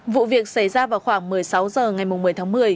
vụ việc xảy ra vào khoảng một mươi sáu h ngày một mươi tháng một mươi